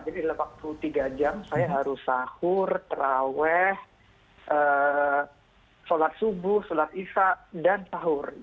jadi dalam waktu tiga jam saya harus sahur terawih sholat subuh sholat isya dan tahur